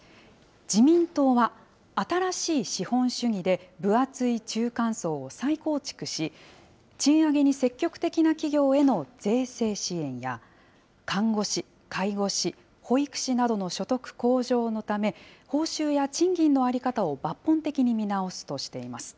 自民党は、新しい資本主義で、分厚い中間層を再構築し、賃上げに積極的な企業への税制支援や、看護師、介護士、保育士などの所得向上のため、報酬や賃金の在り方を抜本的に見直すとしています。